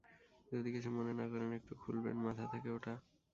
যদি কিছু মনে না করেন, একটু খুলবেন মাথা থেকে ওটা?